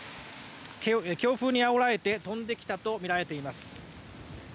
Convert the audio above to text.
強風にあおられて飛んできたとみられています。